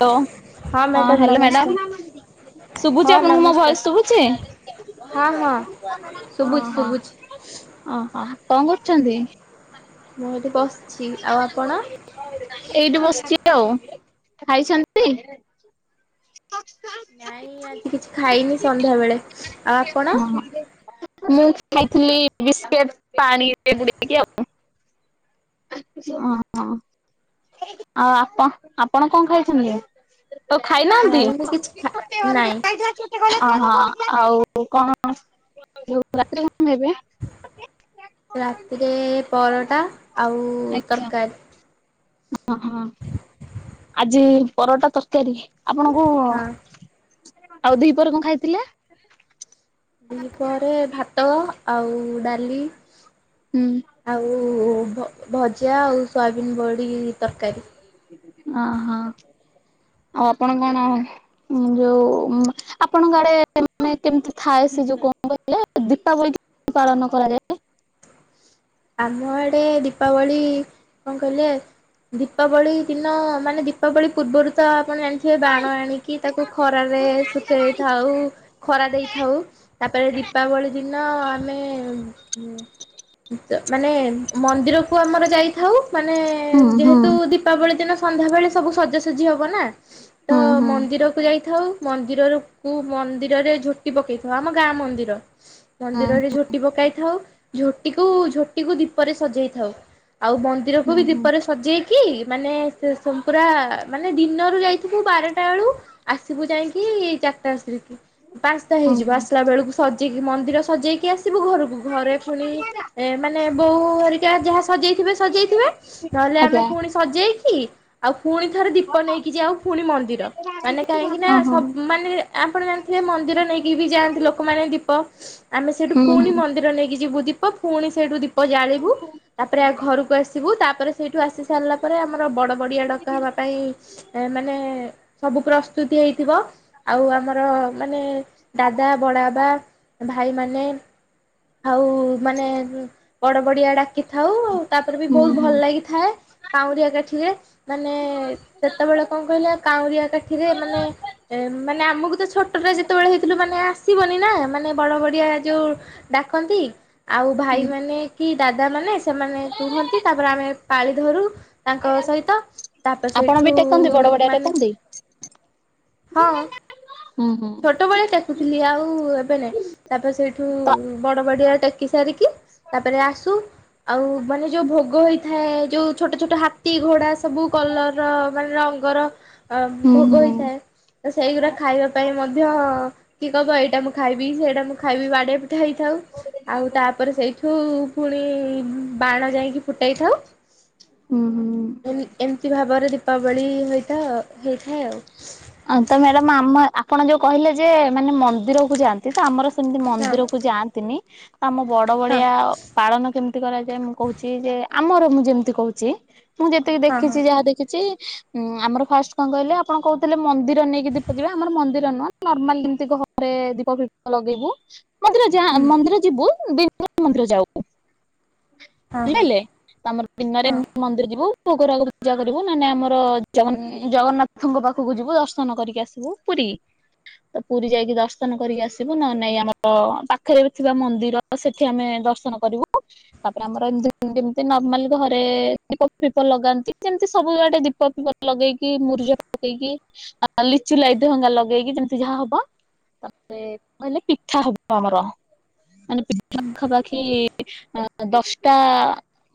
ହ ହଁ ହ ମ୍ୟାଡ଼ାମ ହାଲୋ ମ୍ୟାଡାମ ନମସ୍କାର ଶୁଭୁଛି ହଁ ଆପଣଙ୍କ ମୋ ନମସ୍କାର ଭୟସ ଶୁଭୁଛି, ହ ହଁ ହଁ ଶୁଭୁଛି ହ ଶୁଭୁଛି। ଓହୋ, କଣ କରୁଛନ୍ତି? ମୁଁ ଏଠି ବସିଛି ଆଉ ଆପଣ? ଏଇଠି ବସିଚି। ଉ [unintelligible] ଖାଇଛନ୍ତି? ନାଇଁ ଆଜି କିଛି ଖାଇନି ସନ୍ଧ୍ୟା ବେଳେ, ଆଉ ଆପଣ ମୁଁ ଖାଇଥିଲି ବିସ୍କୁଟ ପାଣିରେ ବୁଡେଇକି ଆଉ ହଁ ଆଉ ଆପଣ, ଆପଣ କଣ ଖାଇଛନ୍ତି? ତ ଖାଇନା ନାଇଁ ମୁଁ କିଛି ଖା ଆଉ ନାଇଁ କଣ? ରାତିରେ କଣ ଖାଇବେ? ରାତିରେ ପରଟା ଆଉ ତରକାରୀ। ହଁ ହଁ ଆଜି ପରଟା ତରକାରୀ। ଆପଣଙ୍କୁ ହଁ ଆଉ ଦିପହରେ କଣ ଖାଇଥିଲେ? ଦିପହରେ ଭାତ ଆଉ ଡାଲି ହୁଁ ଆଉ ଭଜା, ଆଉ ସୋୟାବିିନ ବଡି ଅହୋ, ଆଉ ଆପଣ କଣ ଆ ଁ [unintelligible] ଯୋଉ ଆପଣଙ୍କ ଆଡେ ମାନେ କେମିତି ଥାଏ ସେ ଯୋଉ କଣ କହିଲ ଦୀପାବଳି? ପାଳନ କରାଯାଏ। ଆମ ଆଡେ ଦୀପାବଳି କଣ କହିଲେ ଦୀପାବଳି ଦିନ ମାନେ, ଦୀପାବଳି ପୂର୍ବରୁ ତା ଆପଣ ଜାଣିଥିବେ ବାଣ ଆଣିକି, ତାକୁ ଖରାରେ ଶୁଖେଇଥାଉ, ଖରା ଦେଇଥାଉ ତାପରେ, ଦୀପାବଳି ଦିନ ଆମେ ଥାଉ ମାନେ ହୁଁ ହୁଁ ଯେହେତୁ ଦୀପାବଳି ଦିନ ସନ୍ଧ୍ୟାବେେଳେ ସବୁ ସଜାସଜି ହବ ନା ତ ହୁଁ ହୁଁ। ମନ୍ଦିରକୁୁ ଯାଇକି ଥାଉ, ମନ୍ଦିରକୁ, ମନ୍ଦିରରେ ଝୋଟି ପକେଇଥାଉ, ଆମ ଗାଁ ମନ୍ଦିର। ମନ୍ଦିରରେ ଝୋଟି ପକାଇ ଥାଉ, ଝୋଟିକୁ, ଝୋଟିକୁ ଦୀପରେ ସଜେଇ ଥାଉ। ଆଉ ମନ୍ଦିରକୁ ହୁଁ ବି ହୁଁ ଦୀପରେ ସଜେଇ କି ମାନେ, ପୁରା ମାନେ, ଦିନରୁ ଯାଇଥିବୁ ବାରଟା ବେଳୁ ଆସିବୁ ଯାଇକି ଚାରିଟା ଆସରିକି, ପାଞ୍ଚଟା ହୁଁ ହେଇଯିବ, ହୁଁ ଆସିଲା ବେଳକୁ ସ ମନ୍ଦିର ସଜେଇକି ଆସିବୁ ଘରକୁ, ଘରେ ପୁଣି ଏମାନେ ବୋଉ ହେରିକା ଯାହା ସଜେଇଥିବେ, ସଜେଇଥିବେ, ନହେଲେ ଆମେ ଆଜ୍ଞା ପୁଣି ସଜେଇ କି ଆଉ ପୁଣି ଥରେ ଦୀପ ନେଇକି ଯାଉ ପୁଣି ମନ୍ଦିର, ମାନେ କାହିଁକି ନା ଓହୋ ସବୁ ମାନେ ଆପଣ ଜାଣିଥିବେ ମନ୍ଦି ମନ୍ଦିର ନେଇକି ବି ଯାଆନ୍ତି ଲୋକମାନେ ଦୀପ ଆମେ ସେଇଠୁ ହୁଁ ପୁଣି ହୁଁ। ମନ୍ଦିର ନେଇକି ଯିବୁ ଦୀପ, ପୁଣି ସେଇଠୁ ଦୀପ ଦୀପ ଜାଳିବୁ ତାପରେ ଆ ଘରକୁ ଆସିବୁ ତାପରେ ସେଇଠୁ ଆସି ସାରିଲା ପରେ ଆମର ବଡ ବଡିଆ ଡକା ହେବା ପାଇଁ ମାନେ ସବୁ ପ୍ରସ୍ତୁତି ହେଇଥିବ ଆଉ ଆମର ମାନେ ଦାଦା ବଡ଼ଆବା ଭାଇମାନେ ଆଉ ମାନେ ବଡ ବଡିଆ ଡାକି ଥାଉ ତାପରେ ବି ହୁଁ ବହୁତ ହୁଁ। ଭଲ ଲାଗିଥାଏ କାଉଁରିଆ କାଠିରେ ମାନେ ସେତେବେଳେ କଣ କହିଲ କାଉଁରିଆ କାଠିରେ ମାନେ ମାନେ ଆମକୁ ତ ଛୋଟରେ ଯେତେବେଳେ ହେଇଥିଲୁ ମାନେ ଆସିବନି। ନା ମାନେ ବଡ ବଡିଆ ଯୋଉ ଡାକନ୍ତି ଆଉ ହୁଁ ଭାଇମାନେ କି ଦାଦାମାନେ ସେମାନେ କୁହନ୍ତି ତାପରେ ଆମେ ପାଳି ଧରୁ ତାଙ୍କ ସହିତ ତାପରେ ସେଇଠୁ ଵଡ଼ିଆ ମାନେ ଟେକନ୍ତି। ହଁ। ହୁଁ ହୁଁ। ଛୋଟବେଳେ ଟେକୁଥିଲି ଆଉ ଏବେ ନାଇଁ ତାପରେ ସେଇଠୁ ତ ବଡ ବଡିଆରେ ଟେକି ସାରିକି ତାପରେ ଆସୁ ଆଉ ମାନେ ଯୋଉ ଭୋଗ ହେଇଥାଏ ଯୋଉ ଛୋଟଛୋଟ ହାତୀ ଘୋଡ଼ା। ସବୁ କଲର ମାନେ ରଙ୍ଗର ହୁଁ ଭୋଗ ହୁଁ ହେଇଥାଏ ତ ସେଇଗୁରା ଖାଇବାକୁ। ପାଇଁ ମଧ୍ୟ କିଏ କହିବ ଏଇଟା ମୁଁ ଖାଇବି ସେଇଟା ମୁଁ ଖାଇବି ବାଡ଼ିଆପିଟା ହେଇଥାଉ ଆଉ ତାପରେ ସେଇଠୁ ପୁଣି ବାଣ ଯାଇକି ଫୁଟାଇ ଥାଉ। [inaudible] ଏମ ଏମିତି ଭାବରେ ଦୀପାବଳି ହୋଇଡଥାଏ ହୋଇଥାଏ ଆଉ। ତ ମ୍ୟାଡାମ ଆମ ଆପଣ ଯୋଉ କହିଲେ ଯେ ମାନେ ମନ୍ଦିରକୁ ଯାଆନ୍ତି ତ ଆମର ସେମତି ହଁ ମନ୍ଦିରକୁ ଯାଆନ୍ତିନି। ଆମ ହଁ ବଡବଡିଆ ପାଳନ କେମିତି କରାଯାଏ ମୁଁ କହୁଛି ଯେ ଆମର ମୁଁ ଯେମିତି କହୁଛି। ମୁଁ ଯେତିକି ହଁ ହଁ ଦେଖିଛି ଯାହା ଦେଖିଛି ଉଁ ଆମର ଫାଷ୍ଟ କଣ କହିଲେ ଆପଣ କହୁ ତାହେଲେ ମନ୍ଦିର ନେଇକି ଦୀପ ଯିବେ ଆମର ମନ୍ଦିର ନୁହଁ ନର୍ମାଲ ଯେମିତି ଘରେ ଦୀପଫିପ ଲଗେଇବୁ। ମନ୍ଦିର ଯା ହୁଁ ମନ୍ଦିର ଯିବୁ ବିଲକୁଲ୍ ମନ୍ଦିର ଯାଉ ହଁ ହଁ ହେଲେ ତଆମର ଦିନରେ ହଁ। ମନ୍ଦିର ଯିବୁ କୁକୁରକୁ ପୂଜା କରିବୁ ନହେଲେ ଆମର ଜଗନ ଜଗନ୍ନାଥଙ୍କ ପାଖକୁ ପାଖକୁ ଯିବୁ ଦର୍ଶନ କରିକି ଆସିବୁ ପୁରୀ। ତ ପୁରୀ ଯାଇକି ଦର୍ଶନ କରିକି ଆସିବୁ ନହେଲେ ନାଇଁ ଆମର ପାଖରେ ବି ଥିବା ମନ୍ଦିର ସେଠି ଆମେ ଦର୍ଶନ କରିବୁ ତାପରେ ଆମର ଏମିତି ଯେମତି ନର୍ମାଲି ଘରେ ଦୀପଫିପ ଲଗାନ୍ତି। ଏମିତି ସବୁଆଡେ ଦୀପଫିପ ଲଗେଇକି ମୁୂରୁଜ ପକେଇକି ଲିଚୁ ଲାଇଟ୍ ହଙ୍ଗା ଲଗେଇକି ଯେମିତି ଯାହା ହବ। ତାପରେ କହିଲେ ପିଠା ହବ ଆମର ମାନେ ପିଠା ପାଖାପାଖି [unintelligible] ଦଶ୍ଟା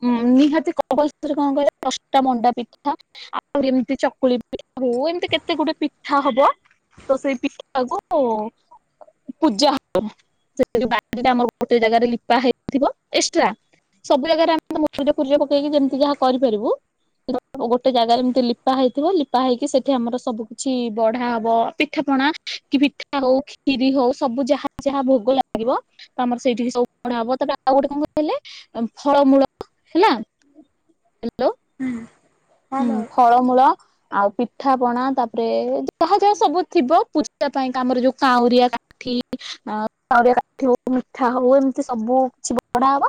ଉଁ ନିହାତି [unintelligible] କଣ କହିଲେ, ଦଶଟା ମଣ୍ଡା ପିଠା ଆଉ ଏମିତି ଚକୁଳି [unintelligible] ଏମିତି କେତେ ଗୁଡେ ପିଠା ହବ, ତ ସେଇ ପିଠା କୁ ପୂଜା ହବ [unintelligible] ଆମର ଗୋଟେ ଜାଗାରେ ଲିପା ହେଇଥିବ ଏକ୍ସ୍ ଟ୍ରା। ସବୁ ଜାଗାରେ ଆମେ [unintelligible] ଫୁରୁଜ ପକେଇକି, ଯେମିତି ଯାହା କରିପାରିବୁ। [unintelligible] ଗୋଟେ ଜାଗାରେ ଏମିତି ଲିପା ହେଇଥିବ ଲିପ ତା ହେଇକି ସେଠି ଆମର ସବୁ କିଛି ବଢା ହବ। ପିଠା ପଣା, କି ପିଠା ହଉ, ଖିରି ହଉ ସବୁ ଯାହା ଯାହା ଭୋଗ ଲାଗିବ, ତ ଆମର ସେଇଠିକି ସବୁ ବଢା ହବ। ତେବେ ଆଉ ଗୋଟେ କଣ କହିଲେ, ଫଳମୂଳ ହେଲା [inaudible] ହାଲୋ ହୁଁ। ହୁଁ, ଫଳମୂଳ ଆଉ ପିଠାପଣା, ତାପରେ ଯାହା ଯାହା ସବୁ ଥିବ ପୂଜା ପାଇଁ କି ଆମର ଯୋଉ କାଉଁରିଆ [unintelligible] ହଉ ମିଠା ହଉ ଏମିତି ସବୁ କିଛି ବଢା ହବ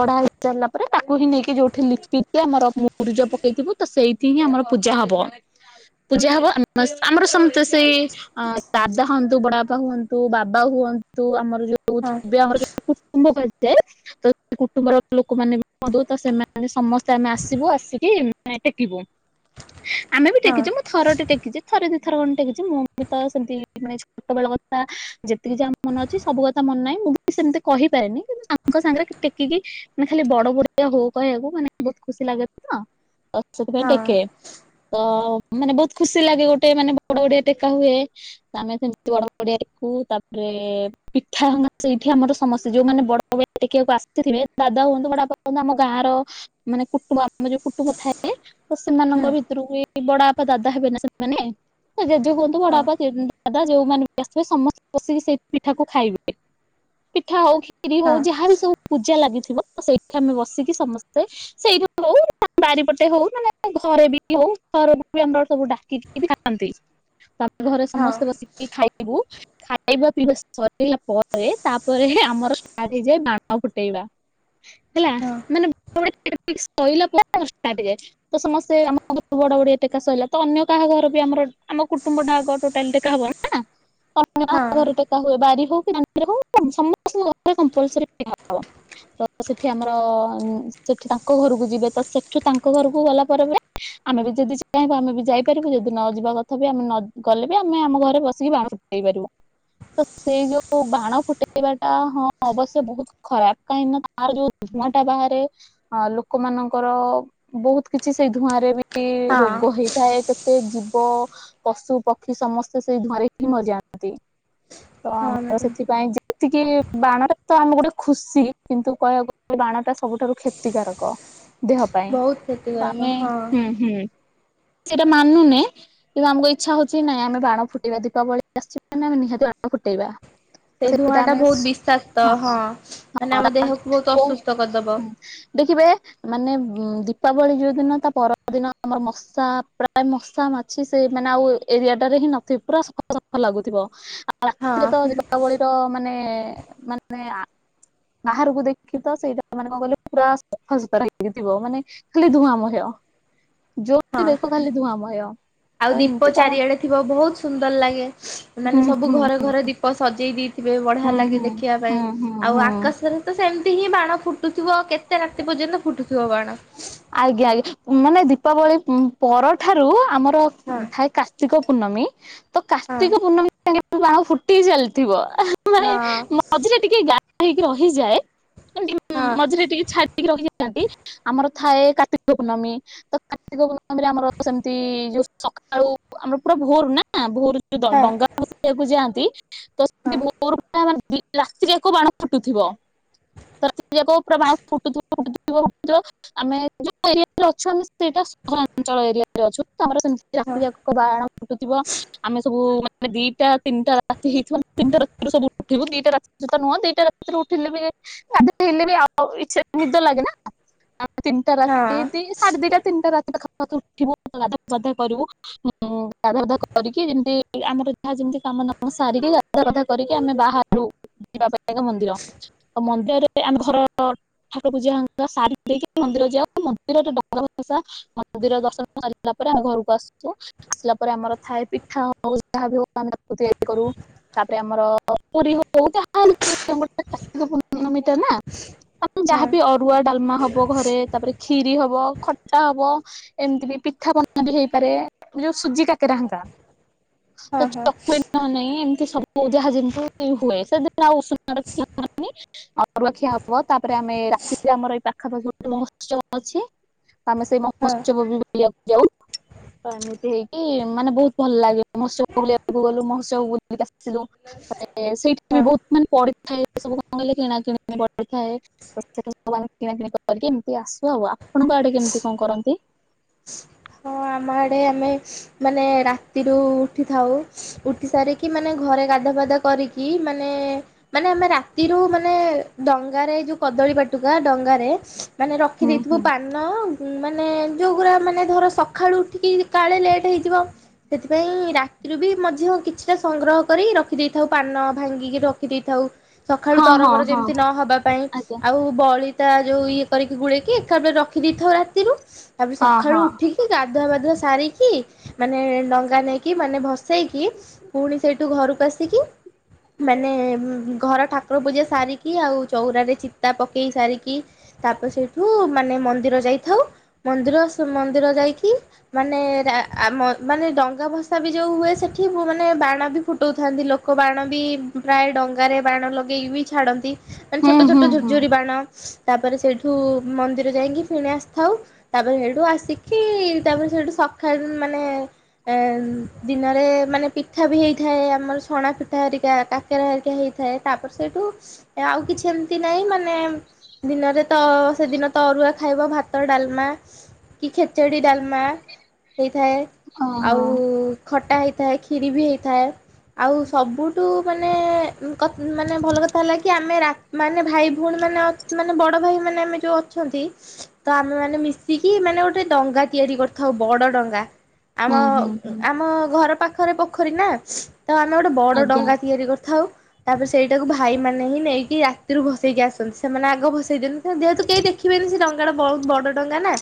ବଢା [unintelligible] [unintelligible] ପରେ ତାକୁ ହିଁ ନେଇକି ଯୋଉଠି ଲିପି କି ଆମର ମୁରୁଜପକେଇଥିବୁ ତ ସେଇଥି ହିଁ ଆମର ପୂଜା ହବ। ପୂଜା ହବ ଆମ ଆମର ସମତେ ସେଇ ଆ ଦାଦା ହୁଅନ୍ତୁ, ବଡ ବାପା ହୁଅନ୍ତୁ, ବାବା ହୁଅନ୍ତୁ, ଆମର ଯୋଉ ଥିବେ ଆମର ଯଉ [unintelligible] [unintelligible] କୁଟୁମ୍ବର ଲୋକମାନେ [unintelligible] ସେମାନେ ସମସ୍ତେ ଆମେ ଆସିବୁ। ଆସିକି ଟେକିବୁ, ଆମେ ବି ଟେକିଛୁ, ମୁଁ ଥର ଟେ ଟେକିଛି। ଥରେ ଦି ଥର ମୁଁ ବି ତ ସେମିତି ମାନେ ଛୋଟବେଳ କଥା ଯେତିକି, ଯାହା ମନେ ଅଛି ସବୁ କଥା ମନେ ନାହିଁ। ମୁଁ ବି ସେମିତି କହିପାରେନି, କିନ୍ତୁ ସାଙ୍କ ସାଙ୍ଗରେ ଟେକିକି ମାନେ ଖାଲି ବଡ ବଡିଆ ହୋ କହିବାକୁ ମାନେ ବହୁ ଖୁସି ଲାଗେ ତ। ତ ସେଥିପାଇଁ ଟେକେ, ତ ମାନେ, ବହୁତ ଖୁସି ଲାଗେ ଗୋଟେ ମାନେ ବଡ ବଡିଆ ଟେକା ହୁଏ। ଆମେ ସେମତି ବଡ ବଡିିଆ ଟେକୁ ତାପରେ ଏ ପିଠା ସେଇଠି ଆମର ସମସ୍ତେ ଯୋଉମାନେ ବଡ ବଡିଆ ଟେକିବାକୁ ଆସିଥିବେ, ଦାଦା ହୁଅନ୍ତୁ ବଡ ବାପା ହୁଅନ୍ତୁ ମାନେ ଆମ ଗାଁ ର ମାନେ କୁଟୁମ୍ବ ଆମ ଯୋଉ କୁଟୁ ତ ସେମାନଙ୍କ ଭିତରୁ ବି ବଡ ବାପା, ଦାଦା ହେବେ ନା ସେମାନେ କୁହନ୍ତୁ ବଡ ବାପା ସେଇ ଦାଦା, ଯୋଉମାନେ ବି ଆସିଥିବେ ସମସ୍ତେ ବସିକି ସେଇ ପିଠାକୁ ଖାଇବେ। ପିଠା ହଉ କି ଖିରି ହଉ ଯାହା ବିି ସବୁ ପୂଜା ଲାଗିଥିବ, ସେଇଠି ଆମେ ବସିକି ସମସ୍ତେ ସେଇ ହଉ ବାରିପଟେ ହଉ, ମାନେ ଘରେ ବି ହଉ, ଘରକୁ ବି ଆମର ସବୁ ଡାକିକି ବି ଖାଆନ୍ତି। ତାପରେ ଘରେ ସମସ୍ତେ ବସିକି ଖାଇବୁ ଖାଇବା ପିଇବା ସରିଲା ପରେ, ତାପରେ ହେ ଆମର ଷ୍ଟାଟ ହେଇଯାଏ ବାଣ ଫୁଟେଇବା ହେଲା ମାନେ [unintelligible] ସଇଲା [unintelligible] ଷ୍ଟାଟ ହେଇଯାଏ ତ ସମସ୍ତେ ଆମ ବଡ ବଡିଆ ଟେକା ସଇଲା, ତ ଅନ୍ୟ କାହା ଘର ବି ଆମର ଆମ କୁଟୁମ୍ବ ଟୋଟାଲି ଟେକା ହବ ନା, ଟେକା ହୁଏ ବାରି ହଉ [unintelligible] ସମସ୍ତଙ୍କ [unintelligible] ସେଠି ଆମର ସେଠି ତାଙ୍କ ଘରକୁ ଯିବେ। ତ ସେଠୁ ତାଙ୍କ ଘରକୁ ଗଲା ପରେ ପରେ ଆମେ ବି ଯଦି ଚାହିଁବୁ ଆମେ ବି ଯାଇପାରିବୁ, ଯଦି ନ ଯିବା କଥା ବି ଆମେ ନ ଗଲେ ବି ଆମେ ଆମ ଘରେ ବସିକି ବାଣ ଫୁଟେଇ ପାରିବୁ। ତ ସେଇ ଯୋଉ ବାଣ ଫୁଟେଇବା ଟା ହଁ ଅବଶ୍ୟ ବହୁତ ଖରାପ, କାହିଁକି ନା ତାର ଯୋଉ ଧୂଆଁ ଟା ବାହାରେ, ଲୋକମାନ ର ବହୁତ କିଛି ସେଇ ଧୂଆଁ ରେ ବି ରୋଗ ହେଇଥାଏ କେତ ଏ ଜୀବ ପଶୁ, ପକ୍ଷୀ ସମସ୍ତେ ସେଇ ଧୂଆଁରେ ହିଁ ମରିଯାଆନ୍ତି। ତ ହଁ ଆମର ମ୍ୟାଡ଼ାମ ସେଥିପାଇଁ ଜା ଟିକିଏ ବାଣଟା ତ ଆମେ ଗୋଟେ ଖୁସି କିନ୍ତୁ କହିବାକୁ ଗଲେ ବାଣଟା ସବୁଠାରୁ କ୍ଷତିକାରକ। ଦେହ ପାଇଁ ବହୁତ କ୍ଷତିକାରକ ଆମେ ହଁ ହୁଁ ହୁଁ। ସେଇଟା ମାନୁନେ କିନ୍ତୁ ଆମକୁ ଇଛା ହଉଛି ନାଇଁ ଆମେ ବାଣ ଫୁଟେଇବା ଦୀପାବଳି ଆସିଚି ମାନେ ଆମେ ନିହାତି ବା ଫୁଟେଇବା ତ ସେଇ ଧୂଆଁ ସେଇଟା ଟା ଆମେ ବହୁତ ବିଷାକ୍ତ ମାନେ ଆମ ଦେହକୁ ବହୁତ ହଁ ଅସୁସ୍ଥ କରିଦବ [inaudible] ଦେଖିବେ ମାନେ ଦୀପାବଳି ଯୋଉ ଦିନ ତା ପରଦିନ ଆମର ମଶା ପ୍ରାୟ ମଶା ମାଛି ସେ ମାନେ ଆଉ ଏରିଆ ଟାରେ ହିଁ ନଥିବ ପୁରା ସଫା ସଫା ଲାଗୁଥିବ ରାତିରେ ତ ହଁ ଦୀପାବଳିର ମାନେ ମାନେ ବାହାରକୁ ଦେଖି ତ ସେଇଟା ମାନେ କଣ କହିଲେ ପୁରା ସଫାସୁତରା ଲାଗିଥିବ ମାନେ ଖାଲି ଧୂଆଁମୟ ଯୋଉଠି ହଁ ଦେଖ ଖାଲି ଧୂଆଁମୟ। ଆଉ ତ ଦୀପ ଏମିତି କଣ ଚାରିଆଡେ ଥିବ ବହୁତ ସୁନ୍ଦର ଲାଗେ ହୁଁ ମାନେ ସବୁ ହୁଁ ଘରେ ଘରେ ଦୀପ ସଜେଇ ଦେଇ ଥିବେ ହୁଁ ବଢିଆ ଲାଗେ ହୁଁ ଦେଖିବା ପାଇଁ ହୁଁ ହୁଁ ଆଉ ହୁଁ। ଆକାଶରେ ତ ସେମିତି ହିଁ ବାଣ ଫୁଟୁ ଥିବ କେତେ ରାତି ପର୍ଯ୍ୟନ୍ତ ଫୁଟୁଥିବ ବାଣ। ଆଜ୍ଞା ଆଜ୍ଞା ମାନେ ଦୀପାବଳି ପରଠାରୁ ଆମର ହଁ ଥାଏ କାର୍ତ୍ତିକ ପୂର୍ଣ୍ଣମୀ। ତ ହଁ କାର୍ତ୍ତିକ ପୂର୍ଣ୍ଣମୀ ସାଙ୍ଗ ବାଣ ଫୁଟି ଚାଲିଥିବ ମାନେ ହଁ ମଝିରେ ଟିକେ ହେଇକି ରହିଯାଏ ଏ ହଁ ମଝିରେ ଟିକେ ରହିଯାଇଥାନ୍ତି ଆମର ଥାଏ କାର୍ତ୍ତିକ ପୂର୍ଣ୍ଣମୀ ତ କାର୍ତ୍ତିକ ପୂର୍ଣ୍ଣମୀରେ ଆମର ସେମିତି ଯୋଉ ସକାଳୁ ଆମର ପୁରା ଭୋର ନା ଭୋର ଯଉ ହଁ ଡଙ୍ଗା ଭସେଇବାକୁ ଯାଆନ୍ତି ତ ସେ ହଁ ଭୋର ପୁରା ମାନେ ରାତିରେ ଯାକ ବାଣ ଫୁଟୁଥିବ ତ ରାତିଯାକ ପୁରା ବାଣ ଫୁଟୁଥିବ ଫୁୁଟୁଥିବ ଫୁଟୁଥିବ ଆମେ ଯୋଉ ଏରିଆରେ ଅଛୁ ଆମେ ସେଇଟା ସହରାଞ୍ଚଳ ଏରିଆ। ରେ ଅଛୁ ଆମର ସେମିତି ହଁ ରାତି ଯାକ ବାଣ ଫୁଟୁଥିବ ଆମେ ସବୁ ମାନେ ଦିଟା ତିନଟା ରାତି ହେଇଥିବ ତିନଟା ରାତିରେ ସବୁ ଉଠିବୁ ଦିଟ ରାତିରେ ତ ନୁହଁ ଦିଟା ରାତିରେ ଉଠିଲେ ବି [unintelligible] ହେଲେ ବି ଆଉ ଇଛା ନିଦ ଲାଗେ ନା? ତିନଟା ହଁ ରାତି ଦି ସାଢେ ଦିଟା ତିନଟା ରାତି ପାଖା ଉଠିବୁ ଗାଧାବାଧା କରିବୁ। ଗାଧାବାଧା କରିକି ଯେମିତି ଆମର ଯାହା ଯେମିତି କାମ କାମଧାମ ସାରିକି ଗାଧୁଆପାଧା କରିକି ଆମେ ବାହାରୁ ଯିବାପାଇଁ। ଏ ଏକ ମନ୍ଦିର ମନ୍ଦିରରେ ଆମେ ଘର ଠାକୁର ପୂଜା ସାରିଦେଇକି ମନ୍ଦିର ଯାଉ ମନ୍ଦିରରେ ଡଙ୍ଗା ଭସା ମନ୍ଦିର ଦର୍ଶନ ସରିଲା ପରେ ଆମେ ଘରକୁ ଆସୁଛୁ ଆସିଲା ପରେ ଆମର ଥାଏ ପିଠା ହଉ ଯାହାବି ହଉ ଆମେ ତିଆରି କରୁ। ତାପରେ ଆମର ପୁରୀ ହଉ ଯାହାହେଲେ ମିଟର ନା [unintelligible] ହଁ ଯାହାବି ଅରୁଆ ଡାଲମା ହବ ଘରେ ତାପରେ ଖିରି ହବ ଖଟା ହବ ଏମିତି ବି ପିଠା ପଣା ବି ହେଇପାରେ ଯୋଉ ସୁଜି କାକେରା ହେରିକା ତ ହଁ ହଁ ଚକଲେଟ ନ ନେଇ ଏମତି ସବୁ ଯାହା ଯେ ହୁଏ ସେଦିନ ଆଉ ଉଷୁନା ଖିଆ ହଉନି ଅରୁଆ ଖିଆ। ହବ ତାପରେ ଆମେ ରାତିରେ ଆମର ଏଇ ପାଖପାଖି ଗୋଟେ ମହୋତ୍ସବ ଅଛି। ତମେ ସେଇ ହଁ ମହୋତ୍ସବ ବି ବୁଲିବାକୁ ଯାଉ ତ ଏମିତି ହେଇ ମାନେ ବହୁତ ଭଲ ଲାଗେ ମହୋତ୍ସବ ବୁଲିବାକୁ ଗଲୁ ମହୋତ୍ସବ ବୁଲିକି ଆସି ସେ ଜଉ ତା ପରେ ସେଇଠି ବି ହଁ। ବହୁତ ମାନେ ପଡିଥାଏ ସବୁ କିଣା କିଣି କ ଥାଏ ତ ସୋ କିଣାକିଣି କରିକି ଏମିତି ଆସୁ ଆଉ ଆପଣଙ୍କ ଆଡେ କେମିତି କଣ କରନ୍ତି? [unintelligible] ହଁ ଆମ ଆଡେ ଆମେ ମାନେ ରାତିରୁ ଉଠିଥାଉ ଉଠି ସାରିକି ମାନେ ଘ ରେ ଗାଧାପାଧା କରିକି ମାନେ ମାନେ ଆମେ ରାତିରୁ ମାନେ ଡଙ୍ଗାରେ ଏଇଯୁ କଦଳୀ ବାଟୁକା ଡଙ୍ଗାରେ ମାନେ ରଖି ହୁଁ ଦେଇଥିବୁ ହୁଁ ପାନ ମାନେ ଯୋଉଗୁଡ଼ା ମାନେ ଧର ସକାଳୁ ଉଠିକି କାଳେ ଲେଟ୍ ହେଇଯିବ। ସେଥିପାଇଁ ରାତିରୁ ବି ମଧ୍ୟ କିଛିଟା ସଂଗ୍ରହ କରି ରଖିଦେଇଥାଉ ପାନ ଭାଙ୍ଗିକି ରଖିଦେଇଥାଉ। ସକାଳୁ ହଁ ହଁ ତରବର ହଁ ଯେମିତି ନହବା ପାଇଁ ଆଜ୍ଞା ଆଉ ବଳି ତା ଯୋଉ ଇଏ କରିକି ଗୁଳେଇକି ଏକାପରେ ରଖିଦେଇଥାଉ ରାତିରୁ ତାପରେ ହଁ ସକାଳୁ ହଁ ଉଠିକି ଗା ଧୁଆବାଧୁଆ ସାରିକି ମାନେ ଡଙ୍ଗା ନେଇକି ମାନେ ଭସେଇକି ପୁଣି ସେଇଠୁ ଘରକୁ ଆ ଆସିକି ମାନେ ଘର ଠା ଠାକୁର ପୂଜା ସାରିକି ଆଉ ଚଉରାରେ ଚିତା ପକେଇ ସାରିକି ତାପ ସେଇଠୁ ମାନେ ମନ୍ଦିର ପାଇଥାଉ। ମନ୍ଦିର ମନ୍ଦିର ଯାଇକି ମାନେ ମାନେ ଡଙ୍ଗା ଭସା ବି ଯେଉଁ ହୁଏ ସେଠି ସେ ମାନେ ବାଣ ବି ଫୁଟାଉଥାନ୍ତି ଲୋକ ବାଣ ବି ପ୍ରାୟ ଡଙ୍ଗାରେ ବାଣ ଲଗାଇକି ବି ଛାଡ଼ନ୍ତି। ମାନେ ହୁଁ ଛୋଟ ଛୋଟ ହୁଁ ହୁଁ। ଝୁୁରଝୁରି ବାଣ ତାପରେ ସେଇଠୁ ମନ୍ଦିର ଯାଇକି ପୁଣି ଆସିଥାଉ। ତାପରେ ସେଇଠୁ ଆସିକି ତାପରେ ସେଇଠୁ ସକାଳ ମାନେ ଏ ଦିନରେ ମାନେ ପିଠା ବି ହେଇଥାଏ ଆମର ସଣା ପିଠା ହେରିକା କାକେରା ହେରିକା ହେଇଥାଏ ତାପରେ ସେଇଠୁ ଏ ଆଉ କିଛି ଏମିତି ନାଇ ମାନେ ଦିନରେ ତ ସେଦିନ ଅରୁଆ ଖାଇବ ଭାତ ଡାଲମା କି ଖେଚଡ଼ି ଡାଲମା ହେଇଥାଏ ହଁ ହଁ ଆଉ ଖ ଅଟା ହେଇଥାଏ ଖିରୀ ବି ହୋଇଥାଏ। ଆଉ ସବୁଠୁ ମାନେ କ ମାନେ ଭଲ କଥା ହେଲା କି ଆମେ ମାନେ ଭାଇ ଭଉଣୀ ମାନ ମାନେ ବଡ ଭାଇ ମାନେ ଆମେ ଯୋଉ ଅଛନ୍ତି ତ ଆମେ ମନେ ମିଶି ଶିକି ମାନେ ଗୋଟେ ଡଙ୍ଗା ତିଆରି କରିଥାଉ ବଡ ଡଙ୍ଗା ଆମ ହୁଁ ହୁଁ ହୁଁ ଆମ ଘର ପାଖ ପାଖରେ ପୋଖରୀ ନା ତ ଆମେ ଗୋଟେ ବଡ ଆଜ୍ଞା ଡଙ୍ଗା ତିଆରି କରିଥାଉ। ତାପରେ ସେଇଟାକୁ ଭାଇ ମାନେ ହିଁ ନେଇକି ରାତିରୁ ଭସେଇକି ଆସନ୍ତି ସେମାନେ ଆଗ ଭସେଇ ଦିଅନ୍ତି [unintelligible] ଦେହ ତୁ କେହି ଦେଖ ଦେଖିବନି ସେ ଡଙ୍ଗା ଟା ବହୁତ ବଡ ଡଙ୍ଗା ନା।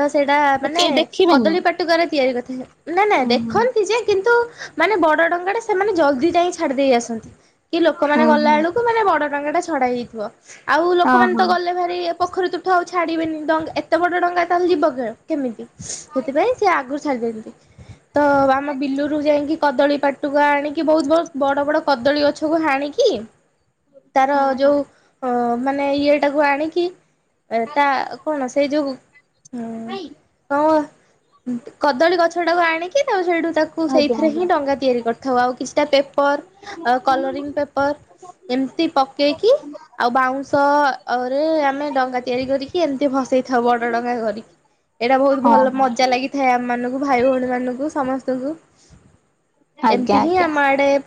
ତ ସେଇଟା ତ ମାନେ କେହି ଦେଖିବେନି। କଦଳୀ ପାଟୁ ଗରେ ତିଆରି କଥା ନା ନାଇଁ ହୁଁ ହୁଁ ଦେଖନ୍ତି ଯେ କିନ୍ତୁ ମାନେ ବଡ ଡଙ୍ଗା ଟେ ସେମାନେ ଜଲଦି ଯାଇ ଛାଡି ଦେଇେଇ ଆସନ୍ତି କି ଲୋକମାନୋନ ହୁଁ ଗଲା ହୁଁ ବେଳକୁ ମାନେ ବଡ ଡଙ୍ଗା ଟା ଛଡା ହୋଇଥିବ ଆଉ ହଁ ଲୋକମାନେ ହଁ। ତ ଗଲେ ଭାରି ପୋଖରୀ ତୁଠ ଆଉ ଛାଡିବେନି ଡ ଏ କେତେ ବଡ ଟଙ୍କା ତାହେଲେ ଯିବ କେ କେମିତି ସେଥିପାଇଁ ସେ ଆଗରୁ ଛାଡ଼ିଦିଅନ୍ତି। ତ ଆମ ବିଲୁରୁୁ ଯାଇକି କଦଳୀ ପାଟୁକା ଆଣିକି ବହୁତ ବହୁତ ବଡ ବଡ କଦଳୀ ଅଛି ଗଛକୁ ହାଣିକି ତାର ହଁ ହଁ ଯୋଉ ମାନେ ଇଏଟାକୁ ଆଣିକି ଏଟା କଣ ସେଇ ଯୋଗୁ ହୁଁ [unintelligible] କଦଳୀ ଗଛ ଟାକୁ ଆଣିକି ତାପରେ ସେଇଠୁ ତାକୁ ଆଜ୍ଞା ସେଇଥିରେ ଆଜ୍ଞା ହିଁ ଡଙ୍ଗା ତିଆରି କରିଥାଉ ଆଉ କିଛିଟା ପେ ପର କଲରିଙ୍ଗି ପେପର ଏମିତି ପକେଇକି ଆଉ ବାଉଁଶ ଅ ରେ ଆମେ ଡଙ୍ଗା ତିଆରି କରିକି ଏମିତି ଭସେଇ ଥାଉ ବଡ ଡଙ୍ଗା କରିକି। ଏଇଟା ବହୁତ ହଁ ଭଲ ହଁ ମଜା ଲାଗିଥାଏ ଆମ ମାନଙ୍କୁ ଭାଇ ଭଉଣୀ ମାନଙ୍କୁ ସମସ୍ତଙ୍କୁ। ଆଜ୍ଞା ଏମିତି ହିଁ ଆଜ୍ଞା। ଆମ ଆଡେ